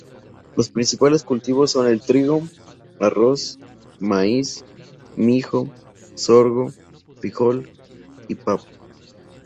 Los principales cultivos son el trigo, arroz, maíz, mijo, sorgo, frijol y papa.